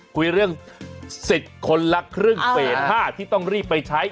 คุยเรื่อง๑๐คนละเครื่องเปลี่ยน๕ที่ต้องรีบไปใช้